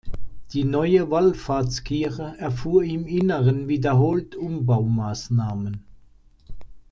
Die neue Wallfahrtskirche erfuhr im Inneren wiederholt Umbaumaßnahmen.